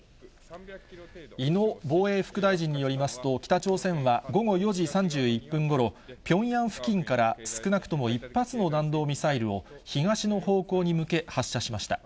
井野防衛副大臣によりますと、北朝鮮は午後４時３１分ごろ、ピョンヤン付近から少なくとも１発の弾道ミサイルを、東の方向に向け発射しました。